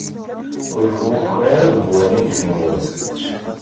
Ur k-wufqeɣ deg wayen d-tenniḍ.